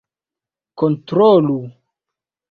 kontrolu